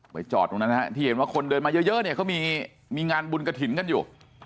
จอดตรงนั้นนะฮะที่เห็นว่าคนเดินมาเยอะเนี่ยเขามีงานบุญกระถิ่นกันอยู่